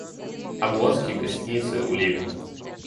Облонский в гостинице у Левина.